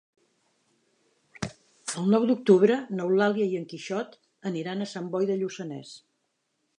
El nou d'octubre n'Eulàlia i en Quixot aniran a Sant Boi de Lluçanès.